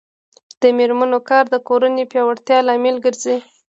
د میرمنو کار د کورنۍ پیاوړتیا لامل ګرځي.